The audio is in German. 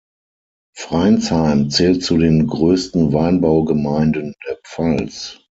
Freinsheim zählt zu den größten Weinbaugemeinden der Pfalz.